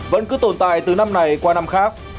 vẫn cứ tồn tại từ năm này qua năm khác